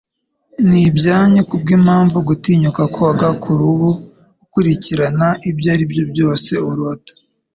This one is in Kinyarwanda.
Nibyanyu kubwimpamvu, gutinyuka koga kurubu ukurikirana ibyo aribyo byose urota.